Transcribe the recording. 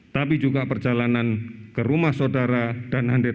tapi juga perjalanan ke rumah saudara dan hadir